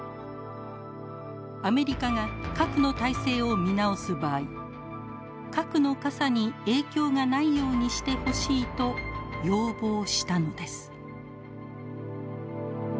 アメリカが核の態勢を見直す場合核の傘に影響がないようにしてほしいと要望したのです。